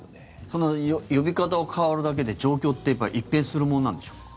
その呼び方が変わるだけで状況って一変するものなんでしょうか。